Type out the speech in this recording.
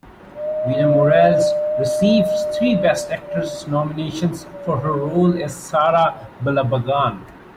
Vina Morales received three Best Actress nominations for her role as Sarah Balabagan.